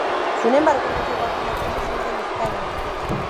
Sin embargo, no llegó a tomar posesión del escaño.